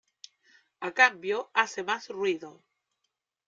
A cambio, hace más ruido.